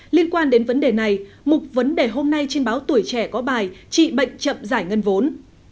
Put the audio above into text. liên quan đến vấn đề này mục vấn đề hôm nay trên báo tuổi trẻ có bài trị bệnh chậm giải ngân vốn